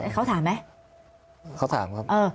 เขาถามไหม